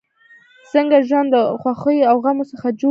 ځکه ژوند له خوښیو او غمو څخه جوړ دی.